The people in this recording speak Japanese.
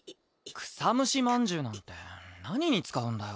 草ムシまんじゅうなんて何に使うんだよ。